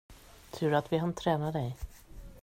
Tur att vi hann träna dig.